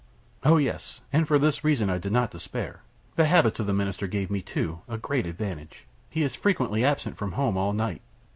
"Oh yes, and for this reason I did not despair. The habits of the Minister gave me, too, a great advantage. He is frequently absent from home all night.